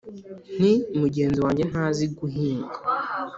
Nti "Mugenzi wanjye ntazi guhinga,